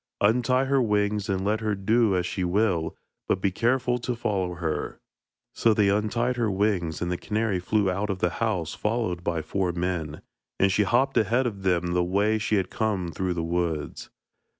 Untie her wings and let her do as she will, but be careful to follow her.' So they untied her wings, and the canary flew out of the house followed by four men, and she hopped ahead of them the way she had come through the woods.